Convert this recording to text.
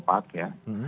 sekarang semakin kompak ya